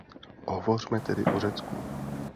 Hovořme tedy o Řecku.